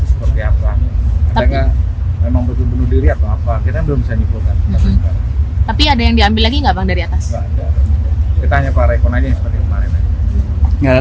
tapi ada yang diambil lagi dari atas